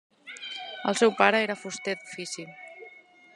El seu pare era fuster d'ofici.